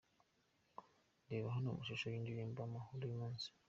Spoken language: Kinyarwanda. Reba hano amashusho y’indirimbo ‘Amahoro y’umunsi’ .